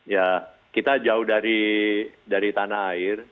ya kita jauh dari tanah air